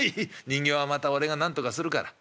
人形はまた俺がなんとかするから。